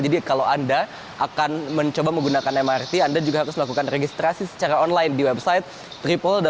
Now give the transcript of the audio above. jadi kalau anda akan mencoba menggunakan mrt anda juga harus melakukan registrasi secara online di website www io id